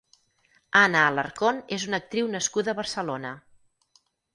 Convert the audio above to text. Anna Alarcón és una actriu nascuda a Barcelona.